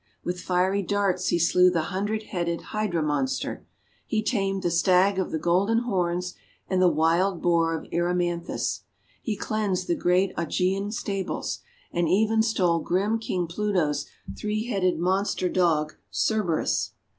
With fiery darts he slew the hundred headed Hydra monster. He tamed the Stag of the Golden Horns, and the Wild Boar of Erymanthus. He cleansed the great Augean stables, and even stole grim King Pluto's three headed monster Dog, Cerberus.